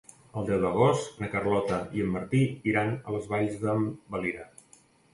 El deu d'agost na Carlota i en Martí iran a les Valls de Valira.